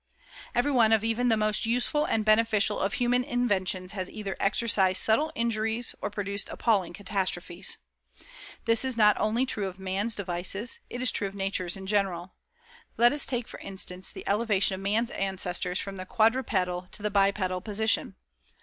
"Every one of even the most useful and beneficial of human inventions has either exercised subtle injuries or produced appalling catastrophes. This is not only true of man's devices, it is true of Nature's in general. Let us take, for instance, the elevation of man's ancestors from the quadrupedal to the bipedal position.